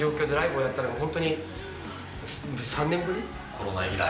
・コロナ以来。